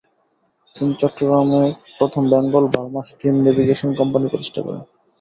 তিনি চট্টগ্রামে প্রথম Bengal Burma steam navigation company প্রতিষ্ঠা করেন।